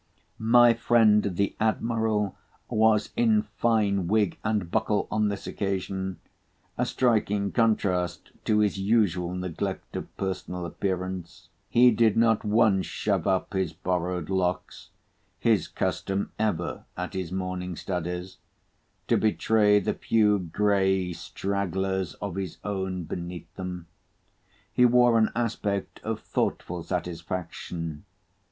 My friend the admiral was in fine wig and buckle on this occasion—a striking contrast to his usual neglect of personal appearance. He did not once shove up his borrowed locks (his custom ever at his morning studies) to betray the few grey stragglers of his own beneath them. He wore an aspect of thoughtful satisfaction.